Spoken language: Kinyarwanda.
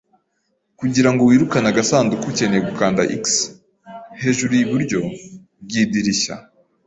Kugirango wirukane agasanduku ukeneye gukanda X hejuru iburyo bwidirishya.